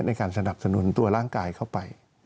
ในการสนับสนุนตัวร่างกายเข้าไป